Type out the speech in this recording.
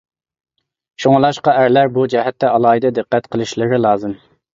شۇڭلاشقا ئەرلەر بۇ جەھەتتە ئالاھىدە دىققەت قىلىشلىرى لازىم.